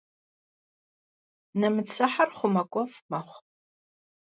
Нэмыцэхьэр хъумакӏуэфӏ мэхъу.